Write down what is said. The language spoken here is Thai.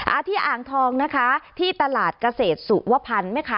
อ่าที่อ่างทองนะคะที่ตลาดเกษตรสุวพันธ์ไหมคะ